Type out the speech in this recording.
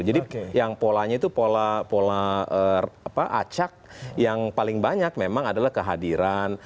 jadi yang polanya itu pola acak yang paling banyak memang adalah kehadiran